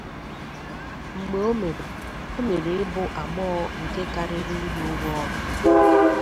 M̀gbè ó mẹ̀rẹ̀, ọ́ mẹ̀rẹ̀ ị́ bụ́ àgbọ́ghọ̀ nke kárírí ị́ rí ụgwọ̀-ọrụ.